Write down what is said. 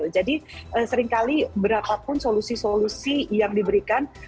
jadi seringkali berapapun solusi solusi yang diberikan